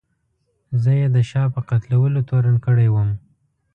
زه یې د شاه په قتلولو تورن کړی وم.